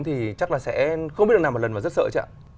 thì chắc là sẽ không biết được nào một lần và rất sợ ạ